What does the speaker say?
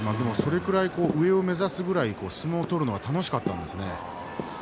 上を目指すぐらい相撲を取るのが楽しかったですね。